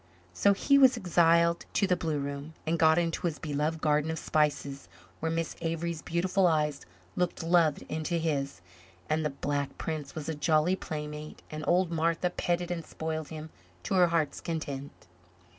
So he was exiled to the blue room and got into his beloved Garden of Spices where Miss Avery's beautiful eyes looked love into his and the Black Prince was a jolly playmate and old Martha petted and spoiled him to her heart's content.